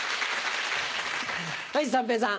はい三平さん。